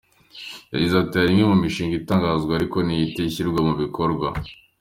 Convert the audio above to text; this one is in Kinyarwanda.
Yagize ati "Hari imwe mu mishinga itangazwa, ariko ntihite ishyirwa mu bikorwa.